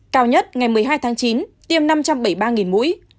cao nhất ngày một mươi hai tháng chín tiêm năm trăm bảy mươi ba mũi